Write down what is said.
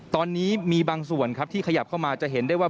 ตอนนี้มีบางส่วนครับที่ขยับเข้ามาจะเห็นได้ว่า